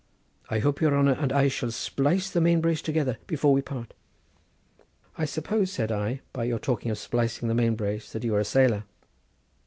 I hope your honour and I shall splice the mainbrace together before we part." "I suppose," said I, "by your talking of splicing the mainbrace that you are a sailor."